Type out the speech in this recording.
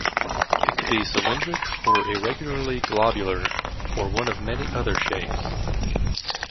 It could be cylindric or irregularly globular or one of many other shapes.